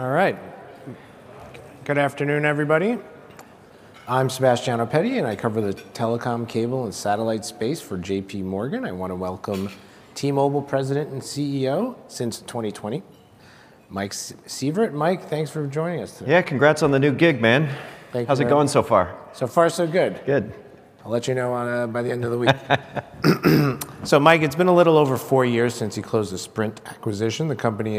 All right. All right. Good afternoon, everybody. I'm Sebastiano Petti, and I cover the telecom, cable, and satellite space for J.P. Morgan. I want to welcome T-Mobile President and CEO since 2020, Mike Sievert. Mike, thanks for joining us today. Yeah, congrats on the new gig, man. Thank you. How's it going so far? So far, so good. Good. I'll let you know by the end of the week. So, Mike, it's been a little over four years since you closed the Sprint acquisition. The company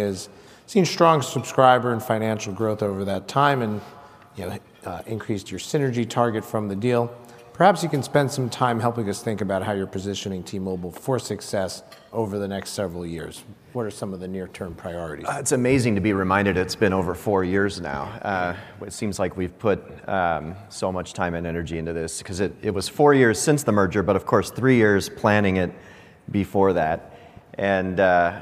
has seen strong subscriber and financial growth over that time and, you know, increased your synergy target from the deal. Perhaps you can spend some time helping us think about how you're positioning T-Mobile for success over the next several years. What are some of the near-term priorities? It's amazing to be reminded it's been over four years now. It seems like we've put so much time and energy into this 'cause it was four years since the merger, but of course, three years planning it before that, and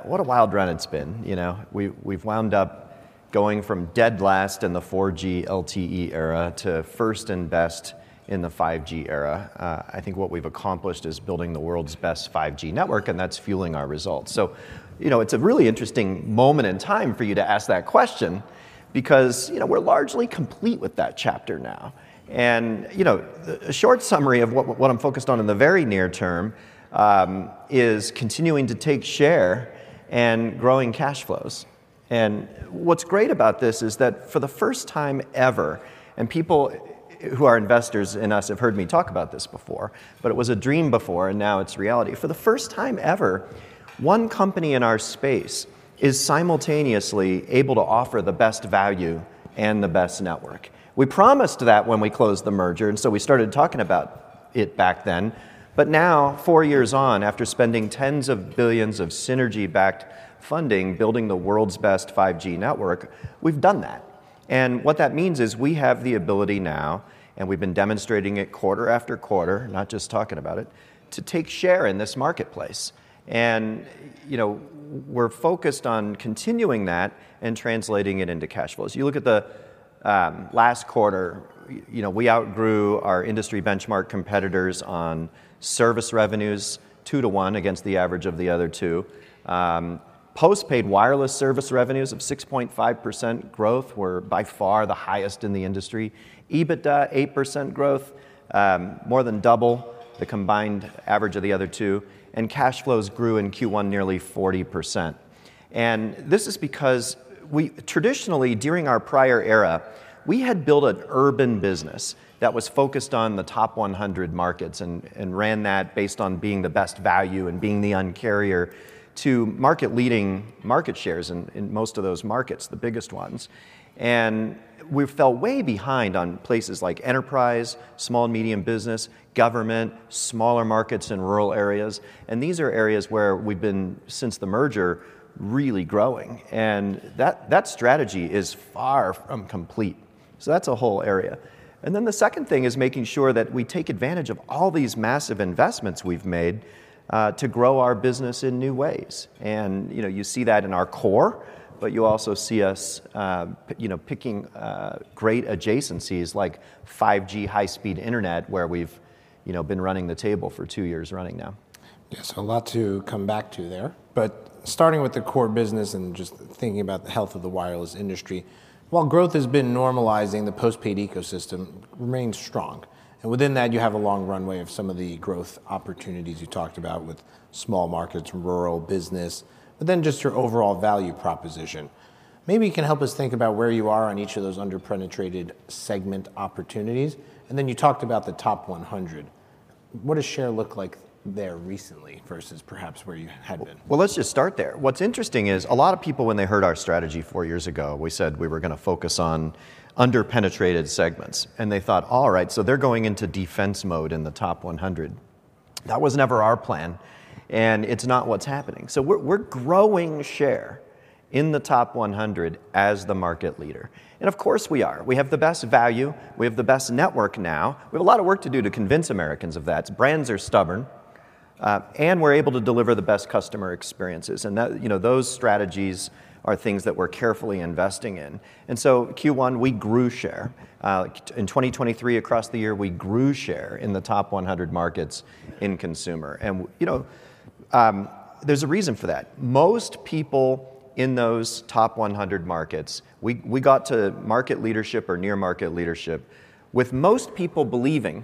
what a wild run it's been, you know. We've wound up going from dead last in the 4G LTE era to first and best in the 5G era. I think what we've accomplished is building the world's best 5G network, and that's fueling our results. So, you know, it's a really interesting moment in time for you to ask that question because, you know, we're largely complete with that chapter now. And, you know, a short summary of what I'm focused on in the very near term is continuing to take share and growing cash flows. What's great about this is that for the first time ever, and people who are investors in us have heard me talk about this before, but it was a dream before, and now it's reality. For the first time ever, one company in our space is simultaneously able to offer the best value and the best network. We promised that when we closed the merger, and so we started talking about it back then. But now, four years on, after spending $10s of billions of synergy-backed funding, building the world's best 5G network, we've done that, and what that means is we have the ability now, and we've been demonstrating it quarter after quarter, not just talking about it, to take share in this marketplace, and, you know, we're focused on continuing that and translating it into cash flows. You look at the last quarter, you know, we outgrew our industry benchmark competitors on service revenues 2-to-1 against the average of the other two. Postpaid wireless service revenues of 6.5% growth were by far the highest in the industry. EBITDA, 8% growth, more than double the combined average of the other two, and cash flows grew in Q1 nearly 40%. And this is because we traditionally, during our prior era, we had built an urban business that was focused on the top 100 markets and ran that based on being the best value and being the Un-carrier to market-leading market shares in most of those markets, the biggest ones. And we fell way behind on places like enterprise, small and medium business, government, smaller markets in rural areas, and these are areas where we've been, since the merger, really growing, and that, that strategy is far from complete. So that's a whole area. And then the second thing is making sure that we take advantage of all these massive investments we've made to grow our business in new ways. And, you know, you see that in our core, but you also see us, you know, picking great adjacencies like 5G high-speed internet, where we've, you know, been running the table for two years running now. Yeah, so a lot to come back to there. But starting with the core business and just thinking about the health of the wireless industry, while growth has been normalizing, the postpaid ecosystem remains strong, and within that, you have a long runway of some of the growth opportunities you talked about with small markets, rural business, but then just your overall value proposition. Maybe you can help us think about where you are on each of those under-penetrated segment opportunities. And then you talked about the top 100. What does share look like there recently versus perhaps where you had been? Well, let's just start there. What's interesting is a lot of people, when they heard our strategy four years ago, we said we were gonna focus on under-penetrated segments, and they thought, "All right, so they're going into defense mode in the top 100." That was never our plan, and it's not what's happening. So we're growing share in the top 100 as the market leader, and of course we are. We have the best value. We have the best network now. We have a lot of work to do to convince Americans of that. Brands are stubborn, and we're able to deliver the best customer experiences, and that- you know, those strategies are things that we're carefully investing in. And so Q1, we grew share. In 2023, across the year, we grew share in the top 100 markets in consumer, and, you know, there's a reason for that. Most people in those top 100 markets, we got to market leadership or near market leadership with most people believing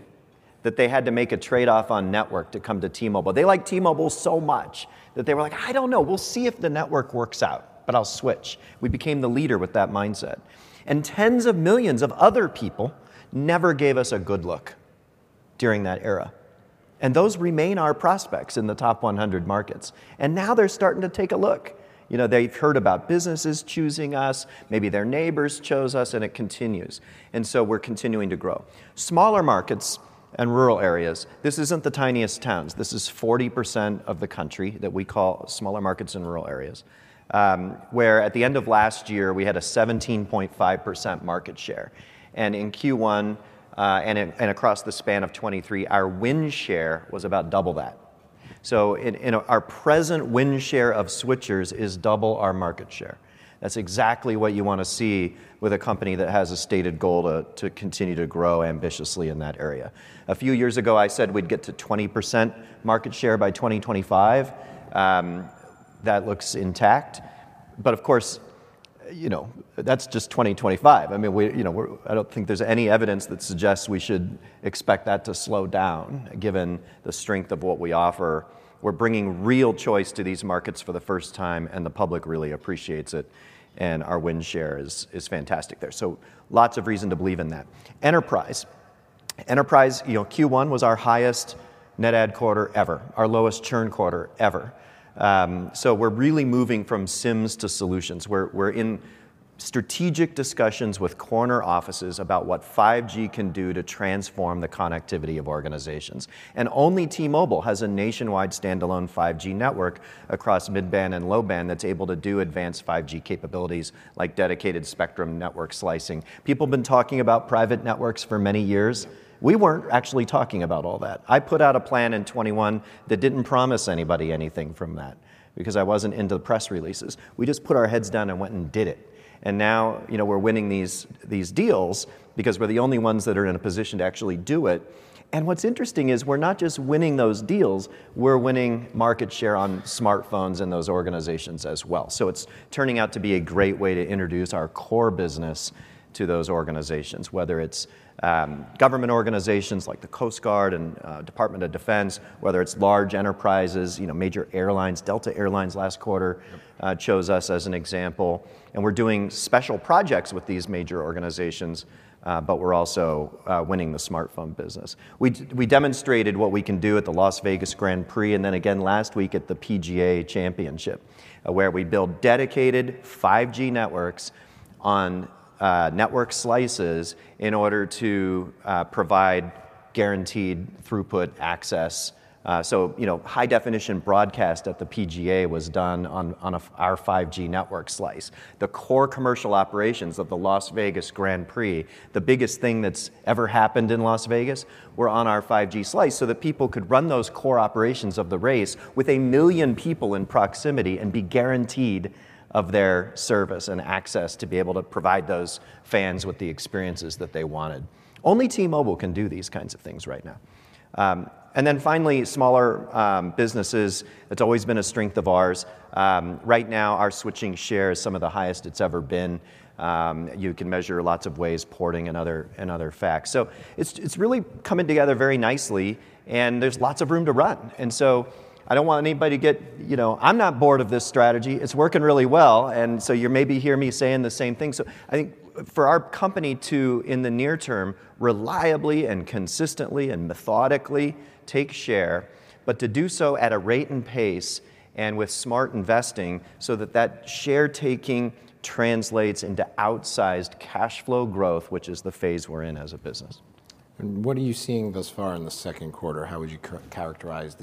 that they had to make a trade-off on network to come to T-Mobile. They like T-Mobile so much that they were like: "I don't know. We'll see if the network works out, but I'll switch." We became the leader with that mindset, and tens of millions of other people never gave us a good look during that era, and those remain our prospects in the top 100 markets. Now they're starting to take a look. You know, they've heard about businesses choosing us, maybe their neighbors chose us, and it continues, and so we're continuing to grow. Smaller markets and rural areas, this isn't the tiniest towns. This is 40% of the country that we call smaller markets and rural areas, where at the end of last year, we had a 17.5% market share, and in Q1, across the span of 2023, our win share was about double that. So in our present win share of switchers is double our market share. That's exactly what you want to see with a company that has a stated goal to continue to grow ambitiously in that area. A few years ago, I said we'd get to 20% market share by 2025. That looks intact, but of course... you know, that's just 2025. I mean, you know, I don't think there's any evidence that suggests we should expect that to slow down, given the strength of what we offer. We're bringing real choice to these markets for the first time, and the public really appreciates it, and our win share is fantastic there. So lots of reason to believe in that. Enterprise. Enterprise, you know, Q1 was our highest net add quarter ever, our lowest churn quarter ever. So we're really moving from SIMs to solutions, where we're in strategic discussions with corner offices about what 5G can do to transform the connectivity of organizations. And only T-Mobile has a nationwide standalone 5G network across mid-band and low-band that's able to do advanced 5G capabilities, like dedicated spectrum network slicing. People have been talking about private networks for many years. We weren't actually talking about all that. I put out a plan in 2021 that didn't promise anybody anything from that because I wasn't into press releases. We just put our heads down and went and did it, and now, you know, we're winning these, these deals because we're the only ones that are in a position to actually do it. And what's interesting is we're not just winning those deals, we're winning market share on smartphones in those organizations as well. So it's turning out to be a great way to introduce our core business to those organizations, whether it's government organizations like the Coast Guard and Department of Defense, whether it's large enterprises, you know, major airlines. Delta Air Lines last quarter chose us as an example, and we're doing special projects with these major organizations, but we're also winning the smartphone business. We demonstrated what we can do at the Las Vegas Grand Prix, and then again last week at the PGA Championship, where we build dedicated 5G networks on network slices in order to provide guaranteed throughput access. So, you know, high-definition broadcast at the PGA was done on our 5G network slice. The core commercial operations of the Las Vegas Grand Prix, the biggest thing that's ever happened in Las Vegas, were on our 5G slice, so that people could run those core operations of the race with a million people in proximity and be guaranteed of their service and access to be able to provide those fans with the experiences that they wanted. Only T-Mobile can do these kinds of things right now. And then finally, smaller businesses, that's always been a strength of ours. Right now, our switching share is some of the highest it's ever been. You can measure lots of ways, porting and other, and other facts. So it's, it's really coming together very nicely, and there's lots of room to run. And so I don't want anybody to get... You know, I'm not bored of this strategy. It's working really well, and so you maybe hear me saying the same thing. So I think for our company to, in the near term, reliably and consistently and methodically take share, but to do so at a rate and pace and with smart investing, so that that share taking translates into outsized cash flow growth, which is the phase we're in as a business. What are you seeing thus far in the second quarter? How would you characterize?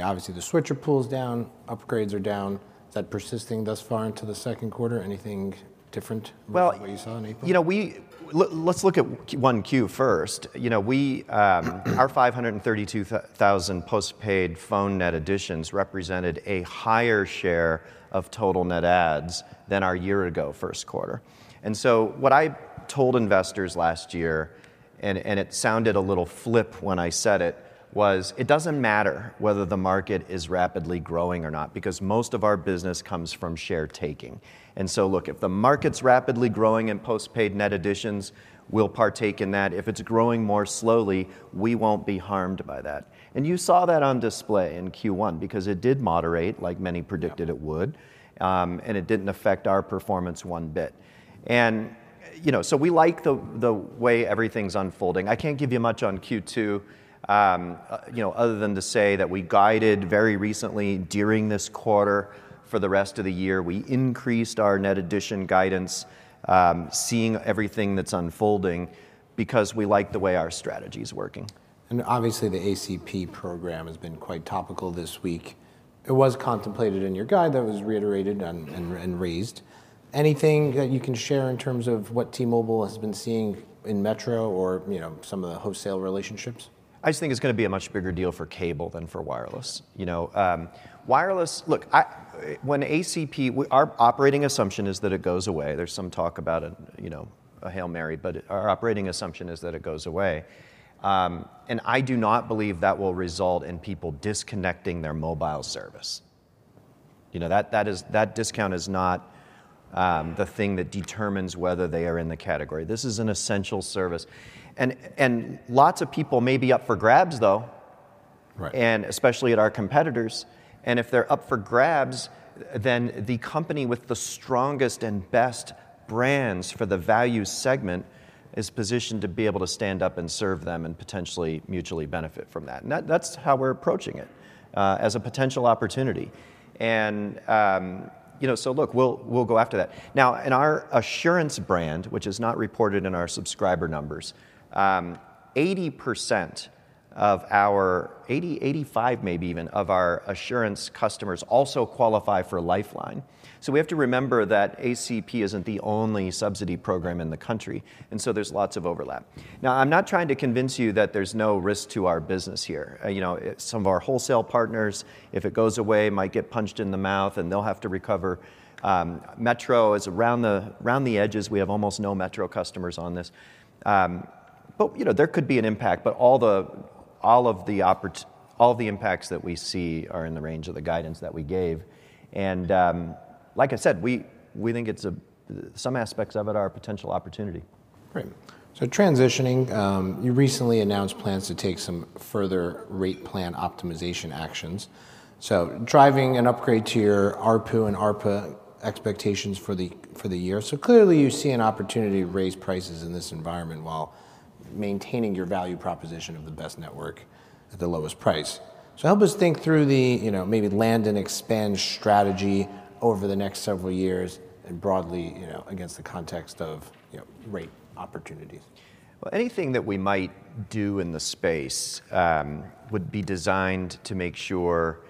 Obviously, the switcher pool is down, upgrades are down. Is that persisting thus far into the second quarter? Anything different? Well- From what you saw in April? You know, let's look at Q1 first. You know, we, our 532,000 postpaid phone net additions represented a higher share of total net adds than our year-ago first quarter. And so what I told investors last year, and, and it sounded a little flip when I said it, was, "It doesn't matter whether the market is rapidly growing or not, because most of our business comes from share taking." And so look, if the market's rapidly growing in postpaid net additions, we'll partake in that. If it's growing more slowly, we won't be harmed by that. And you saw that on display in Q1 because it did moderate, like many predicted it would. Yeah. It didn't affect our performance one bit. You know, so we like the way everything's unfolding. I can't give you much on Q2, you know, other than to say that we guided very recently during this quarter for the rest of the year. We increased our net addition guidance, seeing everything that's unfolding, because we like the way our strategy is working. Obviously, the ACP program has been quite topical this week. It was contemplated in your guide, that was reiterated and raised. Anything that you can share in terms of what T-Mobile has been seeing in Metro or, you know, some of the wholesale relationships? I just think it's gonna be a much bigger deal for cable than for wireless. You know, wireless—look, when ACP... Our operating assumption is that it goes away. There's some talk about a, you know, a Hail Mary, but our operating assumption is that it goes away. And I do not believe that will result in people disconnecting their mobile service. You know, that is—that discount is not the thing that determines whether they are in the category. This is an essential service. And lots of people may be up for grabs, though— Right... and especially at our competitors, and if they're up for grabs, then the company with the strongest and best brands for the value segment is positioned to be able to stand up and serve them and potentially mutually benefit from that. And that- that's how we're approaching it, as a potential opportunity. And, you know, so look, we'll, we'll go after that. Now, in our Assurance brand, which is not reported in our subscriber numbers, 80% of our- 80, 85, maybe even, of our Assurance customers also qualify for Lifeline. So we have to remember that ACP isn't the only subsidy program in the country, and so there's lots of overlap. Now, I'm not trying to convince you that there's no risk to our business here. You know, some of our wholesale partners, if it goes away, might get punched in the mouth, and they'll have to recover. Metro is around the edges. We have almost no Metro customers on this. But, you know, there could be an impact, but all the impacts that we see are in the range of the guidance that we gave. And, like I said, we think it's a, some aspects of it are a potential opportunity. Great. So transitioning, you recently announced plans to take some further rate plan optimization actions. So driving an upgrade to your ARPU and ARPA expectations for the year. So clearly, you see an opportunity to raise prices in this environment while maintaining your value proposition of the best network at the lowest price. So help us think through the, you know, maybe land and expand strategy over the next several years and broadly, you know, against the context of, you know, rate opportunities. Well, anything that we might do in the space would be designed to make sure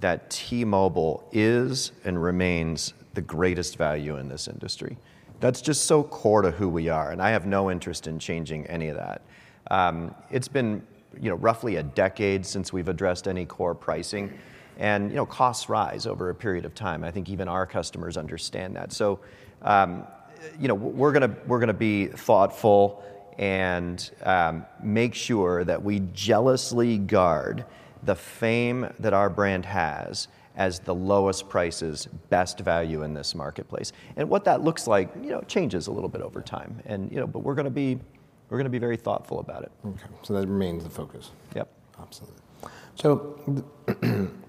that T-Mobile is and remains the greatest value in this industry. That's just so core to who we are, and I have no interest in changing any of that. It's been, you know, roughly a decade since we've addressed any core pricing, and, you know, costs rise over a period of time, and I think even our customers understand that. So, you know, we're gonna, we're gonna be thoughtful and make sure that we jealously guard the fame that our brand has as the lowest prices, best value in this marketplace. And what that looks like, you know, changes a little bit over time and, you know, but we're gonna be, we're gonna be very thoughtful about it. Okay, so that remains the focus. Yep. Absolutely. So,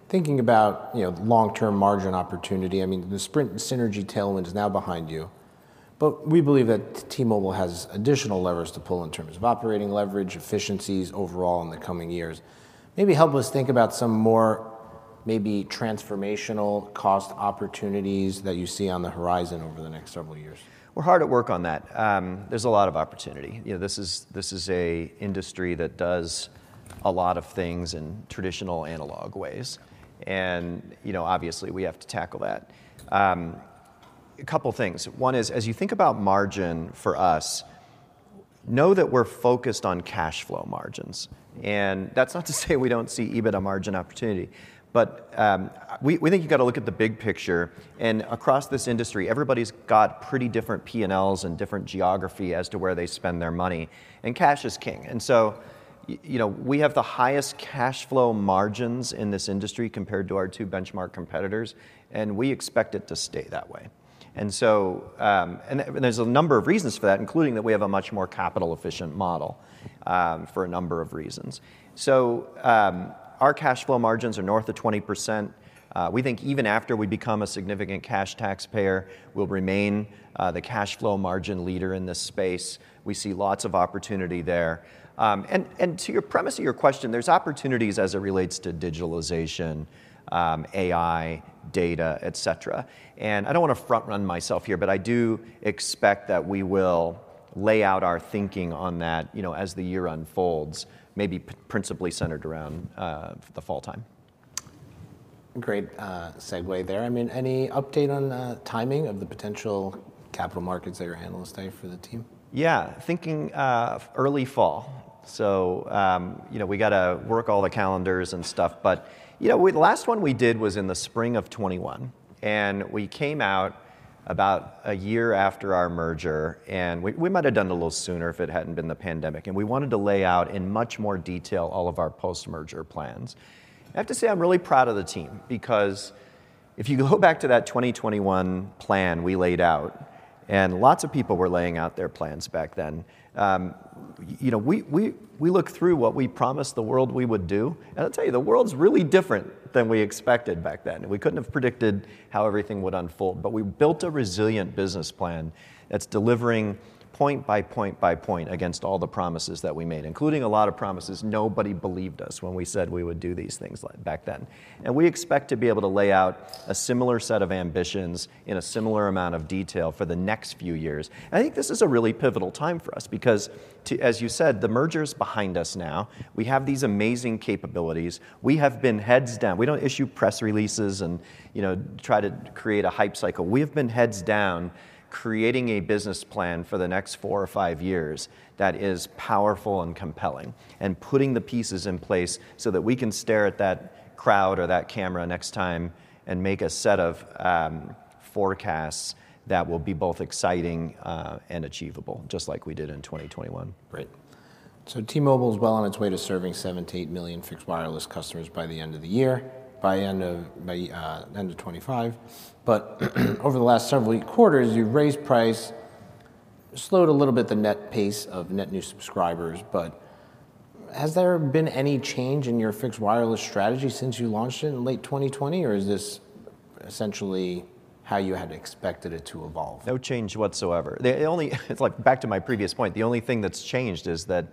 thinking about, you know, long-term margin opportunity, I mean, the Sprint synergy tailwind is now behind you, but we believe that T-Mobile has additional levers to pull in terms of operating leverage, efficiencies overall in the coming years. Maybe help us think about some more, maybe transformational cost opportunities that you see on the horizon over the next several years. We're hard at work on that. There's a lot of opportunity. You know, this is an industry that does a lot of things in traditional analog ways, and, you know, obviously, we have to tackle that. A couple of things. One is, as you think about margin for us, know that we're focused on cash flow margins, and that's not to say we don't see EBITDA margin opportunity. But, we think you got to look at the big picture, and across this industry, everybody's got pretty different P&Ls and different geography as to where they spend their money, and cash is king. And so, you know, we have the highest cash flow margins in this industry compared to our two benchmark competitors, and we expect it to stay that way. There's a number of reasons for that, including that we have a much more capital-efficient model, for a number of reasons. So, our cash flow margins are north of 20%. We think even after we become a significant cash taxpayer, we'll remain the cash flow margin leader in this space. We see lots of opportunity there. And to your premise of your question, there's opportunities as it relates to digitalization, AI, data, et cetera. And I don't want to front-run myself here, but I do expect that we will lay out our thinking on that, you know, as the year unfolds, maybe principally centered around the fall time. Great, segue there. I mean, any update on timing of the potential capital markets that your analysts stay for the team? Yeah, thinking early fall. So, you know, we got to work all the calendars and stuff. But, you know, the last one we did was in the spring of 2021, and we came out about a year after our merger, and we might have done it a little sooner if it hadn't been the pandemic, and we wanted to lay out in much more detail all of our post-merger plans. I have to say I'm really proud of the team because if you go back to that 2021 plan we laid out, and lots of people were laying out their plans back then, you know, we look through what we promised the world we would do, and I'll tell you, the world's really different than we expected back then. We couldn't have predicted how everything would unfold, but we built a resilient business plan that's delivering point by point by point against all the promises that we made, including a lot of promises nobody believed us when we said we would do these things back then. We expect to be able to lay out a similar set of ambitions in a similar amount of detail for the next few years. I think this is a really pivotal time for us because to... As you said, the merger's behind us now. We have these amazing capabilities. We have been heads down. We don't issue press releases and, you know, try to create a hype cycle. We have been heads down, creating a business plan for the next four or five years that is powerful and compelling, and putting the pieces in place so that we can stare at that crowd or that camera next time and make a set of forecasts that will be both exciting and achievable, just like we did in 2021. Great. So T-Mobile is well on its way to serving 7-8 million fixed wireless customers by the end of the year, by end of 2025. But over the last several quarters, you've raised price, slowed a little bit the net pace of net new subscribers, but has there been any change in your fixed wireless strategy since you launched it in late 2020, or is this essentially how you had expected it to evolve? No change whatsoever. It's like back to my previous point, the only thing that's changed is that,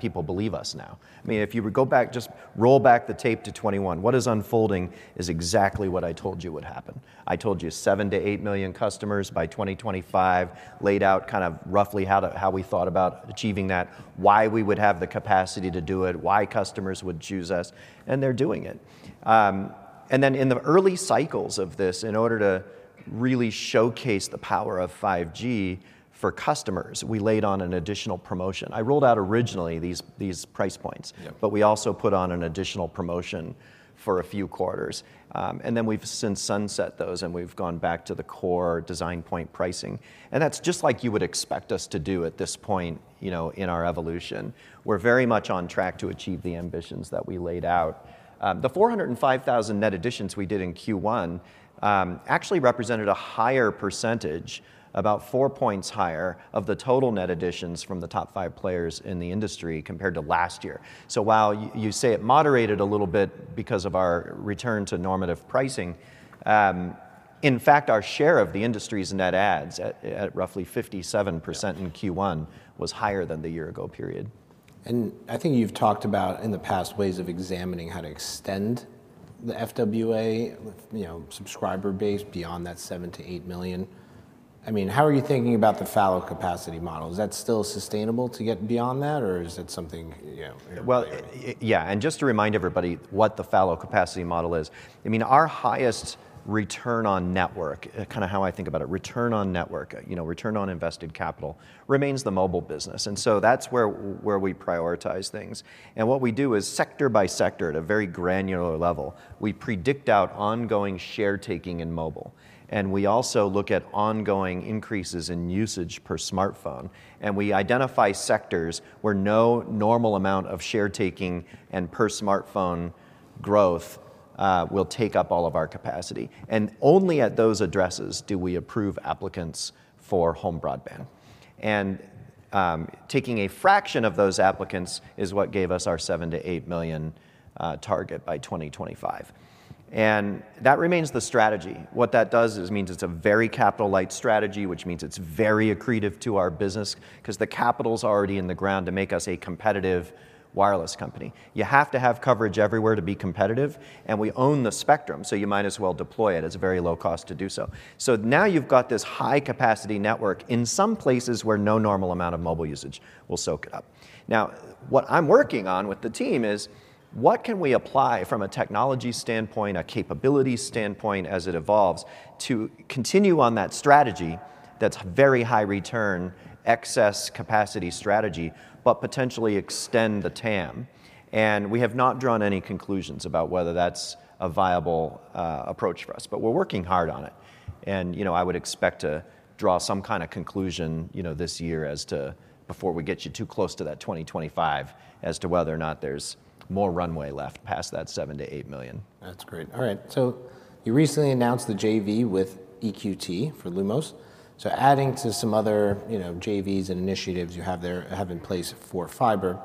people believe us now. I mean, if you would go back, just roll back the tape to 2021, what is unfolding is exactly what I told you would happen. I told you 7-8 million customers by 2025, laid out kind of roughly how we thought about achieving that, why we would have the capacity to do it, why customers would choose us, and they're doing it. And then in the early cycles of this, in order to really showcase the power of 5G for customers, we laid on an additional promotion. I rolled out originally these, these price points- Yeah. but we also put on an additional promotion for a few quarters. And then we've since sunset those, and we've gone back to the core design point pricing, and that's just like you would expect us to do at this point, you know, in our evolution. We're very much on track to achieve the ambitions that we laid out. The 405,000 net additions we did in Q1 actually represented a higher percentage, about four points higher, of the total net additions from the top five players in the industry compared to last year. So while you say it moderated a little bit because of our return to normative pricing, in fact, our share of the industry's net adds at roughly 57% in Q1- Yeah... was higher than the year-ago period. I think you've talked about in the past ways of examining how to extend the FWA, you know, subscriber base beyond that 7-8 million. I mean, how are you thinking about the fallow capacity model? Is that still sustainable to get beyond that, or is it something, you know? Well, yeah, and just to remind everybody what the fallow capacity model is. I mean, our highest return on network, kind of how I think about it, return on network, you know, return on invested capital, remains the mobile business, and so that's where we prioritize things. And what we do is sector by sector, at a very granular level, we predict out ongoing share taking in mobile, and we also look at ongoing increases in usage per smartphone, and we identify sectors where no normal amount of share taking and per smartphone growth will take up all of our capacity. And only at those addresses do we approve applicants for home broadband. And taking a fraction of those applicants is what gave us our 7-8 million target by 2025, and that remains the strategy. What that does is means it's a very capital-light strategy, which means it's very accretive to our business because the capital's already in the ground to make us a competitive wireless company. You have to have coverage everywhere to be competitive, and we own the spectrum, so you might as well deploy it. It's a very low cost to do so. So now you've got this high-capacity network in some places where no normal amount of mobile usage will soak it up. Now, what I'm working on with the team is: what can we apply from a technology standpoint, a capability standpoint, as it evolves, to continue on that strategy that's very high return, excess capacity strategy, but potentially extend the TAM? And we have not drawn any conclusions about whether that's a viable approach for us, but we're working hard on it. You know, I would expect to draw some kind of conclusion, you know, this year as to, before we get you too close to that 2025, as to whether or not there's more runway left past that 7-8 million. That's great. All right, so you recently announced the JV with EQT for Lumos. So adding to some other, you know, JVs and initiatives you have there, have in place for fiber,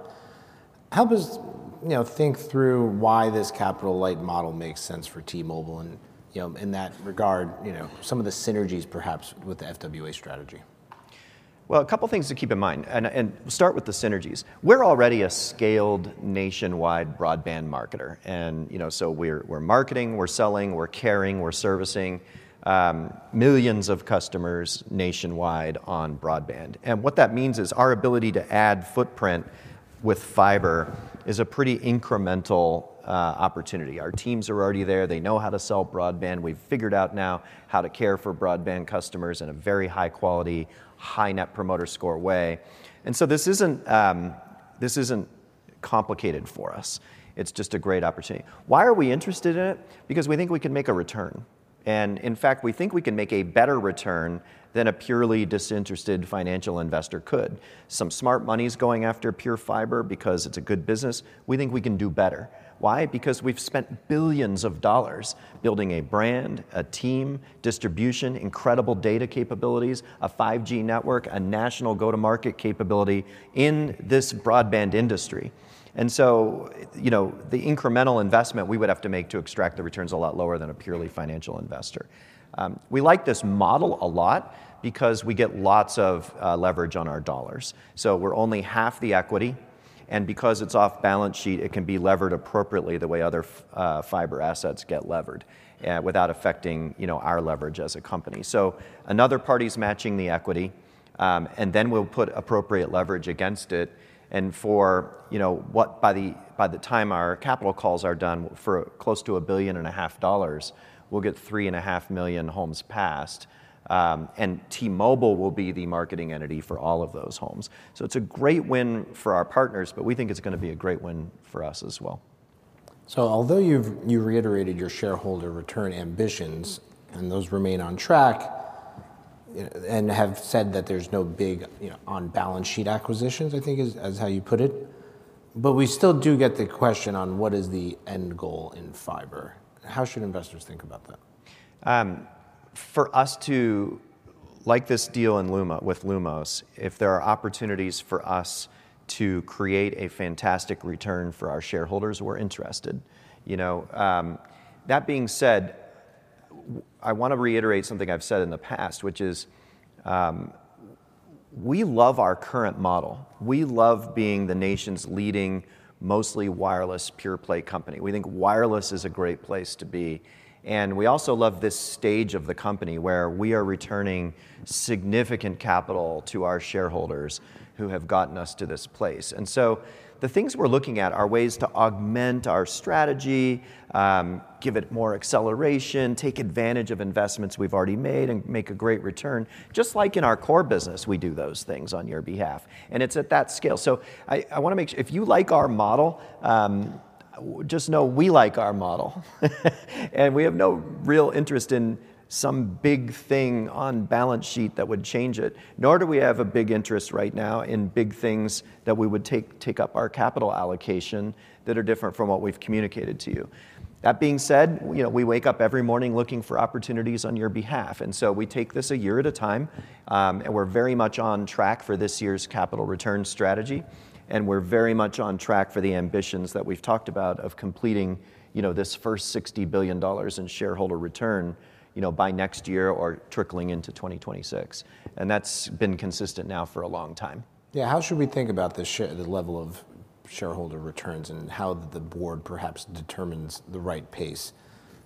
help us, you know, think through why this capital-light model makes sense for T-Mobile and, you know, in that regard, you know, some of the synergies perhaps with the FWA strategy. Well, a couple things to keep in mind, and start with the synergies. We're already a scaled nationwide broadband marketer, and, you know, so we're, we're marketing, we're selling, we're caring, we're servicing, millions of customers nationwide on broadband. And what that means is our ability to add footprint with fiber is a pretty incremental opportunity. Our teams are already there. They know how to sell broadband. We've figured out now how to care for broadband customers in a very high quality, high Net Promoter Score way, and so this isn't, this isn't complicated for us. It's just a great opportunity. Why are we interested in it? Because we think we can make a return, and in fact, we think we can make a better return than a purely disinterested financial investor could. Some smart money is going after pure fiber because it's a good business. We think we can do better. Why? Because we've spent $ billions building a brand, a team, distribution, incredible data capabilities, a 5G network, a national go-to-market capability in this broadband industry. And so, you know, the incremental investment we would have to make to extract the return's a lot lower than a purely financial investor. We like this model a lot because we get lots of leverage on our dollars. So we're only half the equity, and because it's off-balance sheet, it can be levered appropriately the way other fiber assets get levered without affecting, you know, our leverage as a company. So another party's matching the equity, and then we'll put appropriate leverage against it, and, you know what, by the time our capital calls are done, for close to $1.5 billion, we'll get 3.5 million homes passed, and T-Mobile will be the marketing entity for all of those homes. So it's a great win for our partners, but we think it's gonna be a great win for us as well. So although you've reiterated your shareholder return ambitions, and those remain on track, and have said that there's no big, you know, on-balance sheet acquisitions, I think is how you put it, but we still do get the question on: What is the end goal in fiber? How should investors think about that? For us to like this deal with Lumos, if there are opportunities for us to create a fantastic return for our shareholders, we're interested. You know, that being said, I want to reiterate something I've said in the past, which is, we love our current model. We love being the nation's leading, mostly wireless, pure-play company. We think wireless is a great place to be.... And we also love this stage of the company where we are returning significant capital to our shareholders who have gotten us to this place. And so the things we're looking at are ways to augment our strategy, give it more acceleration, take advantage of investments we've already made, and make a great return. Just like in our core business, we do those things on your behalf, and it's at that scale. So I wanna make if you like our model, just know we like our model, and we have no real interest in some big thing on balance sheet that would change it, nor do we have a big interest right now in big things that we would take up our capital allocation that are different from what we've communicated to you. That being said, you know, we wake up every morning looking for opportunities on your behalf, and so we take this a year at a time, and we're very much on track for this year's capital return strategy, and we're very much on track for the ambitions that we've talked about of completing, you know, this first $60 billion in shareholder return. You know, by next year or trickling into 2026, and that's been consistent now for a long time. Yeah, how should we think about the shareholder returns and how the board perhaps determines the right pace?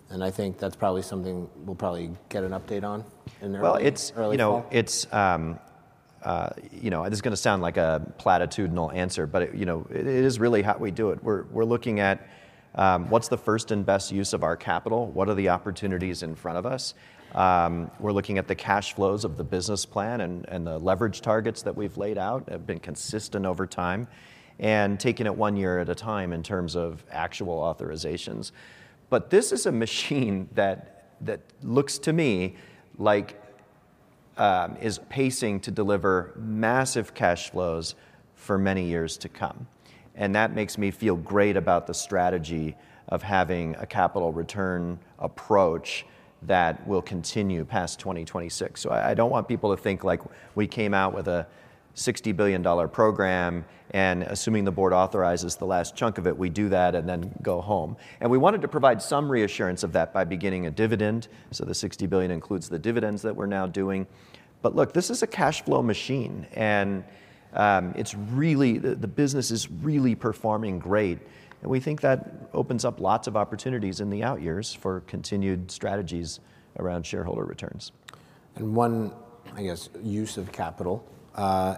And I think that's probably something we'll probably get an update on in the early, early fall. Well, it's, you know, it's, you know, this is gonna sound like a platitudinal answer, but it, you know, it is really how we do it. We're, we're looking at, what's the first and best use of our capital? What are the opportunities in front of us? We're looking at the cash flows of the business plan, and, and the leverage targets that we've laid out have been consistent over time, and taking it one year at a time in terms of actual authorizations. But this is a machine that, that looks to me like, is pacing to deliver massive cash flows for many years to come, and that makes me feel great about the strategy of having a capital return approach that will continue past 2026. So I don't want people to think, like, we came out with a $60 billion program, and assuming the board authorizes the last chunk of it, we do that and then go home. And we wanted to provide some reassurance of that by beginning a dividend, so the $60 billion includes the dividends that we're now doing. But look, this is a cash flow machine, and it's really the business is really performing great, and we think that opens up lots of opportunities in the out years for continued strategies around shareholder returns. One, I guess, use of capital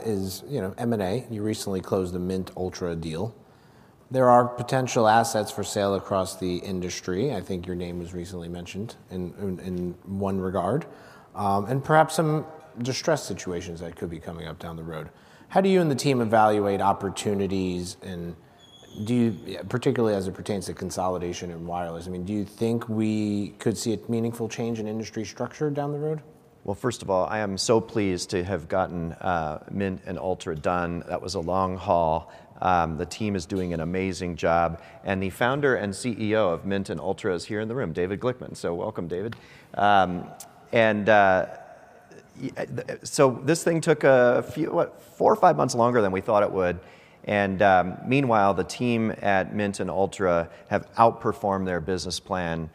is, you know, M&A. You recently closed the Mint/Ultra deal. There are potential assets for sale across the industry. I think your name was recently mentioned in one regard, and perhaps some distressed situations that could be coming up down the road. How do you and the team evaluate opportunities, and do you, particularly as it pertains to consolidation in wireless, I mean, do you think we could see a meaningful change in industry structure down the road? Well, first of all, I am so pleased to have gotten, Mint and Ultra done. That was a long haul. The team is doing an amazing job, and the founder and CEO of Mint and Ultra is here in the room, David Glickman. So welcome, David. And so this thing took a few, what, four or five months longer than we thought it would, and meanwhile, the team at Mint and Ultra have outperformed their business plan,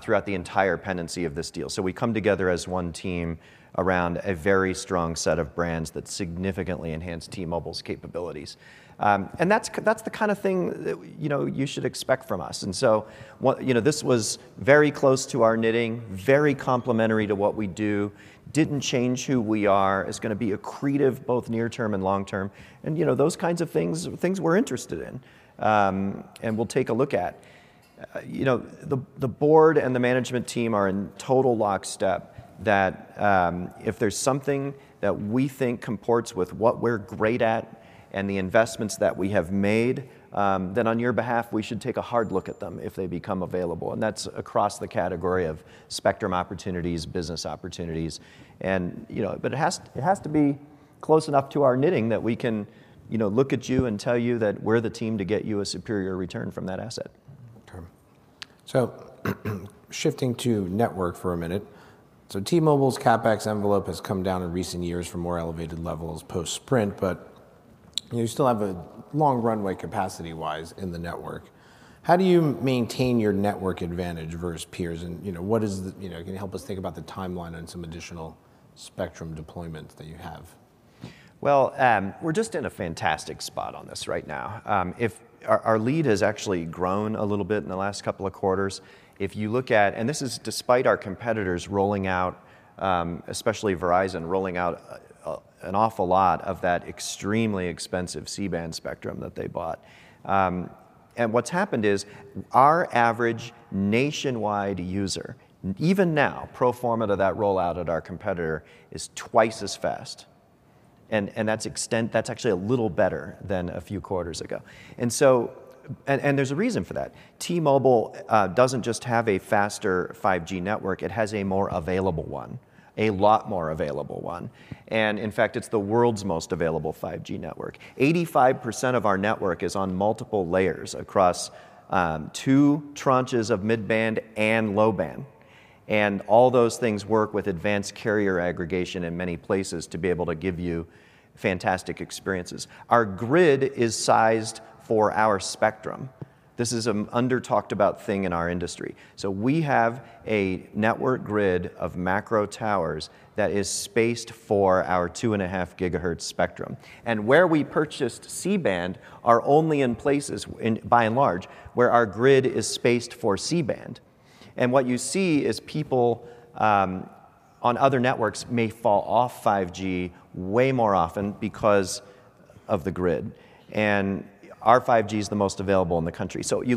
throughout the entire pendency of this deal. So we come together as one team around a very strong set of brands that significantly enhance T-Mobile's capabilities. And that's the kind of thing that, you know, you should expect from us. You know, this was very close to our knitting, very complementary to what we do, didn't change who we are, is gonna be accretive, both near term and long term, and, you know, those kinds of things, things we're interested in, and we'll take a look at. You know, the board and the management team are in total lockstep that, if there's something that we think comports with what we're great at and the investments that we have made, then on your behalf, we should take a hard look at them if they become available, and that's across the category of spectrum opportunities, business opportunities, and, you know... But it has, it has to be close enough to our knitting that we can, you know, look at you and tell you that we're the team to get you a superior return from that asset. Okay. So, shifting to network for a minute. So T-Mobile's CapEx envelope has come down in recent years from more elevated levels post-Sprint, but you still have a long runway capacity-wise in the network. How do you maintain your network advantage versus peers? And, you know, what is, you know, can you help us think about the timeline on some additional spectrum deployment that you have? Well, we're just in a fantastic spot on this right now. If our lead has actually grown a little bit in the last couple of quarters. If you look at, and this is despite our competitors rolling out, especially Verizon, rolling out, an awful lot of that extremely expensive C-band spectrum that they bought. And what's happened is, our average nationwide user, even now, pro forma to that rollout at our competitor, is twice as fast, and that's actually a little better than a few quarters ago. And so, there's a reason for that. T-Mobile doesn't just have a faster 5G network, it has a more available one, a lot more available one, and in fact, it's the world's most available 5G network. 85% of our network is on multiple layers across two tranches of mid-band and low-band, and all those things work with advanced carrier aggregation in many places to be able to give you fantastic experiences. Our grid is sized for our spectrum. This is an under-talked-about thing in our industry. We have a network grid of macro towers that is spaced for our 2.5 GHz spectrum, and where we purchased C-band are only in places, by and large, where our grid is spaced for C-band, and what you see is people on other networks may fall off 5G way more often because of the grid, and our 5G is the most available in the country. So if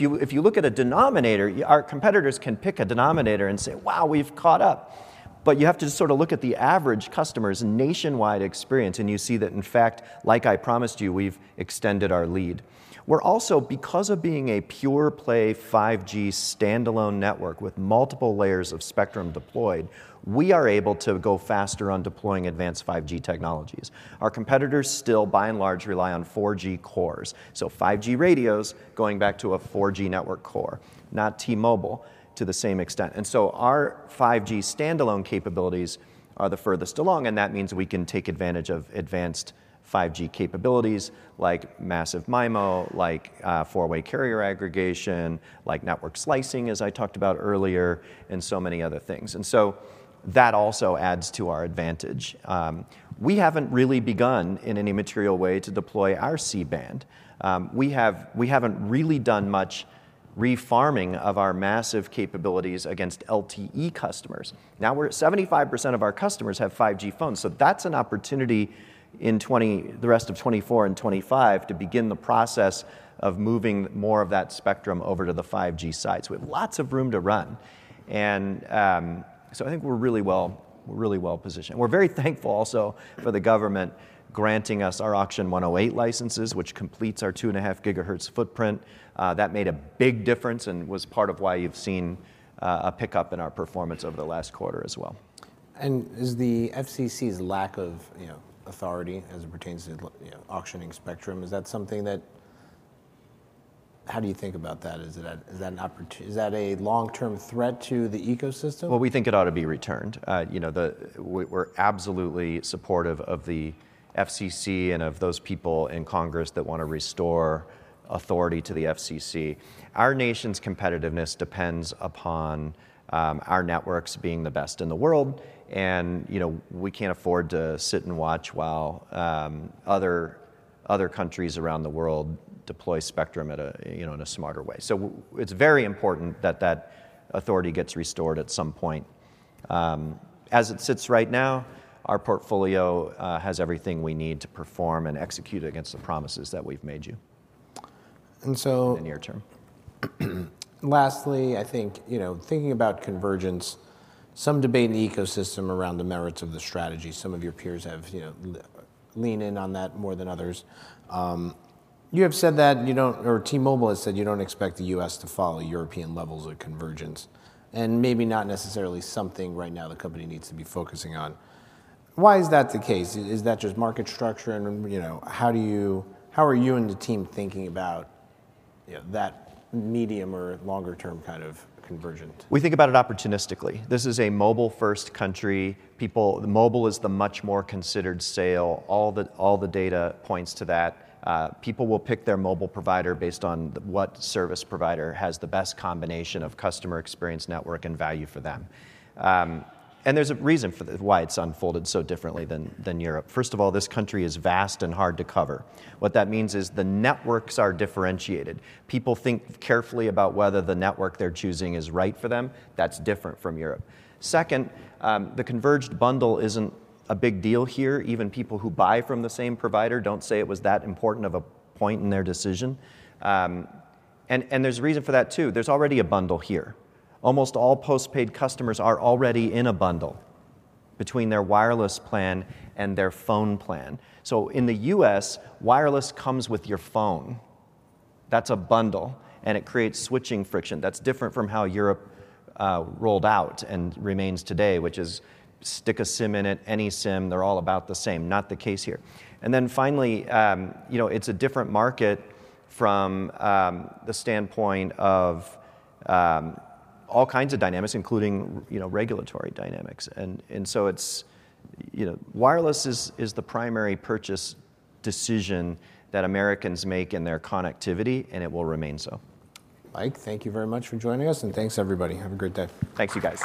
you, if you look at a denominator, our competitors can pick a denominator and say, "Wow, we've caught up!" But you have to sort of look at the average customer's nationwide experience, and you see that, in fact, like I promised you, we've extended our lead. We're also, because of being a pure play 5G standalone network with multiple layers of spectrum deployed, we are able to go faster on deploying advanced 5G technologies. Our competitors still, by and large, rely on 4G cores. So 5G radios going back to a 4G network core, not T-Mobile to the same extent. So our 5G standalone capabilities are the furthest along, and that means we can take advantage of advanced 5G capabilities like Massive MIMO, like four-way carrier aggregation, like network slicing, as I talked about earlier, and so many other things, and so that also adds to our advantage. We haven't really begun in any material way to deploy our C-band. We haven't really done much refarming of our massive capabilities against LTE customers. Now, we're at 75% of our customers have 5G phones, so that's an opportunity in the rest of 2024 and 2025 to begin the process of moving more of that spectrum over to the 5G side. So we have lots of room to run, and so I think we're really well-positioned. We're very thankful also for the government granting us our Auction 108 licenses, which completes our 2.5 GHz footprint. That made a big difference and was part of why you've seen a pickup in our performance over the last quarter as well. Is the FCC's lack of, you know, authority as it pertains to, you know, auctioning spectrum, is that something that... How do you think about that? Is that, is that a long-term threat to the ecosystem? Well, we think it ought to be returned. You know, we're absolutely supportive of the FCC and of those people in Congress that want to restore authority to the FCC. Our nation's competitiveness depends upon our networks being the best in the world, and, you know, we can't afford to sit and watch while other countries around the world deploy spectrum in a smarter way. So it's very important that that authority gets restored at some point. As it sits right now, our portfolio has everything we need to perform and execute against the promises that we've made you- And so- in the near term. Lastly, I think, you know, thinking about convergence, some debate in the ecosystem around the merits of the strategy. Some of your peers have, you know, lean in on that more than others. You have said that you don't, or T-Mobile has said you don't expect the U.S. to follow European levels of convergence, and maybe not necessarily something right now the company needs to be focusing on. Why is that the case? Is that just market structure and, you know, how do you, how are you and the team thinking about, you know, that medium or longer-term kind of convergent? We think about it opportunistically. This is a mobile-first country. People, mobile is the much more considered sale. All the data points to that. People will pick their mobile provider based on what service provider has the best combination of customer experience, network, and value for them. And there's a reason for why it's unfolded so differently than Europe. First of all, this country is vast and hard to cover. What that means is the networks are differentiated. People think carefully about whether the network they're choosing is right for them. That's different from Europe. Second, the converged bundle isn't a big deal here. Even people who buy from the same provider don't say it was that important of a point in their decision. And there's a reason for that too. There's already a bundle here. Almost all postpaid customers are already in a bundle between their wireless plan and their phone plan. So in the U.S., wireless comes with your phone. That's a bundle, and it creates switching friction. That's different from how Europe rolled out and remains today, which is stick a SIM in it, any SIM, they're all about the same. Not the case here. And then finally, you know, it's a different market from the standpoint of all kinds of dynamics, including, you know, regulatory dynamics. And so it's... You know, wireless is the primary purchase decision that Americans make in their connectivity, and it will remain so. Mike, thank you very much for joining us, and thanks, everybody. Have a great day. Thank you, guys.